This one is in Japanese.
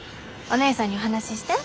おねえさんにお話しして。